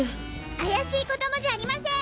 怪しい子供じゃありません。